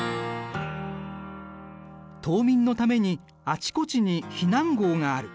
島民のためにあちこちに避難壕がある。